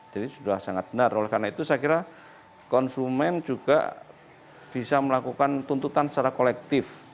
jadi sudah sangat benar oleh karena itu saya kira konsumen juga bisa melakukan tuntutan secara kolektif